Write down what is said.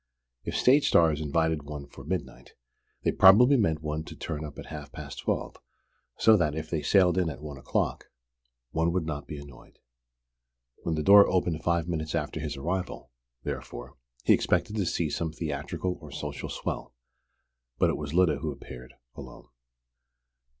If stage stars invited one for midnight, they probably meant one to turn up at half past twelve, so that, if they sailed in at one o'clock, one would not be annoyed. When the door opened five minutes after his arrival, therefore, he expected to see some theatrical or social "swell." But it was Lyda who appeared alone.